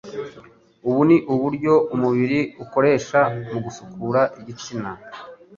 ubu ni uburyo umubiri ukoresha mu gusukura igitsina.